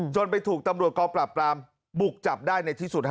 ไปถูกตำรวจกองปราบปรามบุกจับได้ในที่สุดฮะ